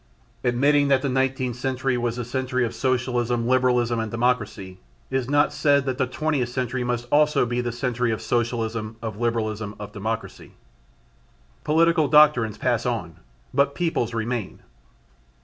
Admitting that the Nineteenth Century was the Century of Socialism, Liberalism and Democracy, it is not said that the Twentieth century must also be the century of Socialism, of Liberalism, of Democracy. Political doctrines pass on, but peoples remain.